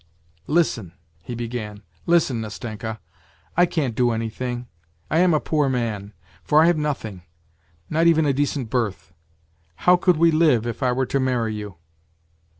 "' Listen,' he began, ' listen, Nastenka, I can't do anything; I am a poor man, for I have nothing, not even a decent berth. How could we live^ if I were to marry you